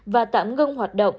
và tạm ngưng hoạt động